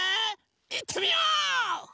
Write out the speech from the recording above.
いってみよう！